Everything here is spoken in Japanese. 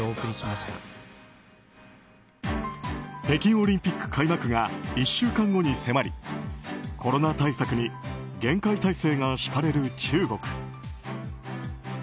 北京オリンピック開幕が１週間後に迫りコロナ対策に厳戒態勢が敷かれる中国。